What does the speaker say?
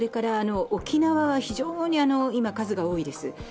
沖縄は非常に今、数が多いです。